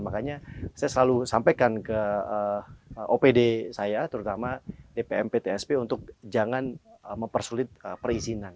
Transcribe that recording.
makanya saya selalu sampaikan ke opd saya terutama dpm ptsp untuk jangan mempersulit perizinan